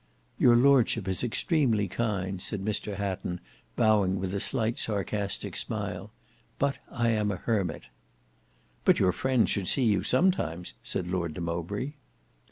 "Your lordship is extremely kind," said Mr Hatton bowing with a slight sarcastic smile, "but I am an hermit." "But your friends should see you sometimes," said Lord de Mowbray.